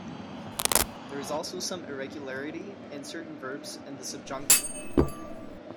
There is also some irregularity in certain verbs in the subjunctive.